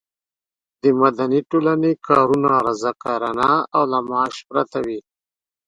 د مدني ټولنې کارونه رضاکارانه او له معاش پرته وي.